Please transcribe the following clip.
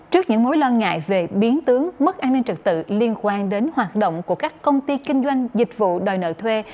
trước những mối lo ngại về biến tướng mất an ninh trực tự liên quan đến hoạt động của các công ty kinh doanh dịch vụ đòi nợ thuê